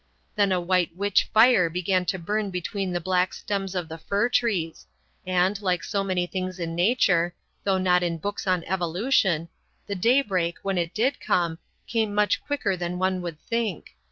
Then a white witch fire began to burn between the black stems of the fir trees; and, like so many things in nature, though not in books on evolution, the daybreak, when it did come, came much quicker than one would think.